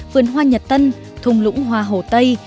vườn hoa nhật tân thùng lũng hoa hồ tây